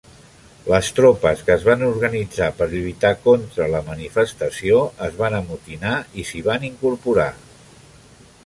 Les tropes que es van organitzar per lluitar contra la manifestació es van amotinar i s'hi van incorporar.